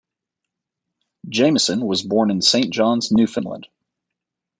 Jamieson was born in Saint John's Newfoundland.